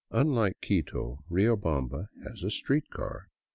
Unlike Quito, Rio bamba has a street car.